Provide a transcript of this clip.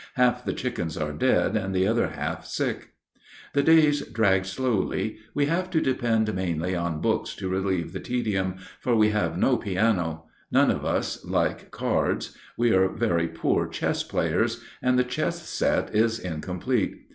Half the chickens are dead and the other half sick. The days drag slowly. We have to depend mainly on books to relieve the tedium, for we have no piano; none of us like cards; we are very poor chess players, and the chess set is incomplete.